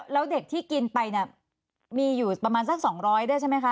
แล้วเด็กที่กินไปมีอยู่ประมาณสัก๒๐๐ไหมคะ